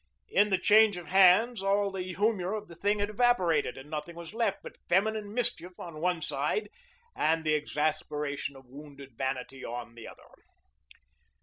In the change of hands all the humor of the thing had evaporated, and nothing was left but feminine mischief on one side and the exasperation of wounded vanity on the other.